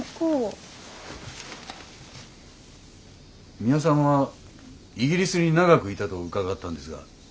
ミワさんはイギリスに長くいたと伺ったんですが。